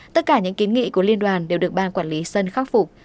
tất cả những kiến nghị của liên đoàn đều được ban quản lý sân khắc phục